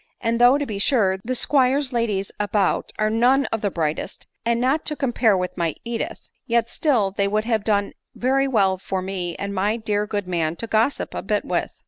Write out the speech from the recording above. And though, to be sure, the squires' ladies about are none of the brightest, and not to compare with my Edith, yet still they would have done very well for me and my dear good man to gossip a bit with.